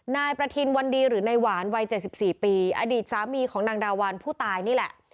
นายประทินวันดีหรือนายหวานวัย๗๔ปีอดีตสามีของนางดาวันผู้ตายนี่แหละ